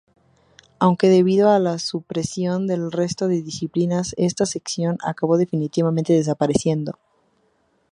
Aunque debido a la supresión del resto de disciplinas esta sección acabó definitivamente desapareciendo.